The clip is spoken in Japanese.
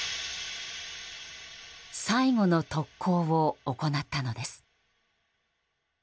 最後の特攻を行ったのです。